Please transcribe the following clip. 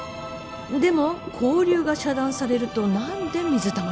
でも交流が遮断されると何で水玉になるの？